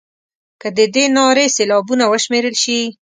که د دې نارې سېلابونه وشمېرل شي.